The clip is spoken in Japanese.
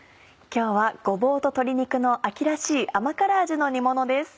今日はごぼうと鶏肉の秋らしい甘辛味の煮ものです。